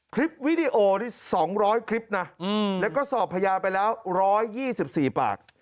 คลิปวิดีโอนี่๒๐๐คลิปนะแล้วก็สอบพยานไปแล้ว๑๒๔ปาก